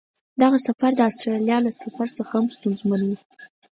دغه سفر د استرالیا له سفر څخه هم ستونزمن و.